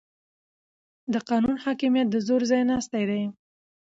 د قانون حاکمیت د زور ځای ناستی دی